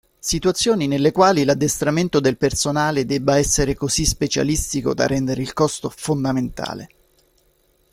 Situazioni nelle quali l'addestramento del personale debba essere così specialistico da rendere il costo fondamentale.